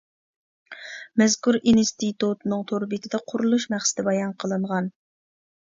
مەزكۇر ئىنستىتۇتنىڭ تور بېتىدە قۇرۇلۇش مەقسىتى بايان قىلىنغان.